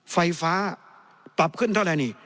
ไฟฟ้าปรับขึ้นเท่าไหร่นี่